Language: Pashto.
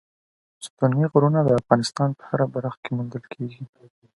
ستوني غرونه د افغانستان په هره برخه کې موندل کېږي.